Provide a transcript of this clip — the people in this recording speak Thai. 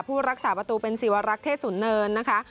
รักษาประตูเป็นศิวรักษ์เทศศูนเนินนะคะ